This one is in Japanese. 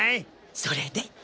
それで？